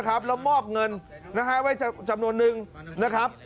นะครับแล้วมอบเงินนะครับไว้จำนวนนึงนะครับ